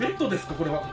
これは。